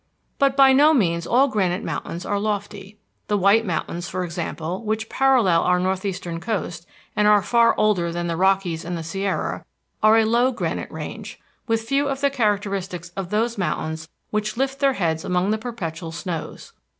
But by no means all granite mountains are lofty. The White Mountains, for example, which parallel our northeastern coast, and are far older than the Rockies and the Sierra, are a low granite range, with few of the characteristics of those mountains which lift their heads among the perpetual snows.